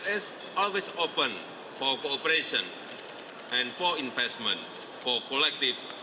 yang selalu terbuka untuk kooperasi dan investasi untuk keberanian kolektif